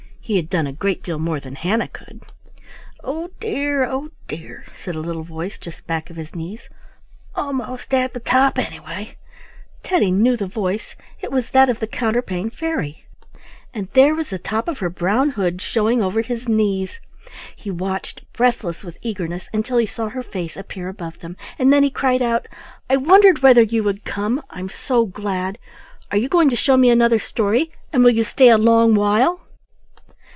He had done a great deal more than Hannah could. "Oh dear, oh dear!" said a little voice just back of his knees; "almost at the top, anyway." Teddy knew the voice; it was that of the Counterpane Fairy, and there was the top of her brown hood showing over his knees. He watched, breathless with eagerness, until he saw her face appear above them, and then he cried out: "I wondered whether you would come; I'm so glad. Are you going to show me another story, and will you stay a long while?"